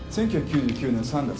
１９９９年３月。